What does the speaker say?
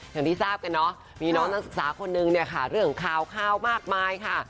อย่างที่ทราบกันเนอะมีน้องนักศึกษาคนนึงเนี่ยค่ะเรื่องข่าวมากมายค่ะ